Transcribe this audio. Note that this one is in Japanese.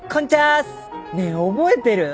ねえ覚えてる？